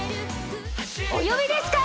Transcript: お呼びですか？